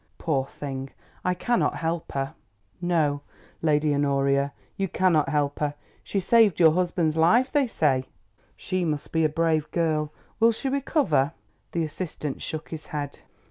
"Poor thing, I cannot help her." "No, Lady Honoria, you cannot help her. She saved your husband's life, they say." "She must be a brave girl. Will she recover?" The assistant shook his head.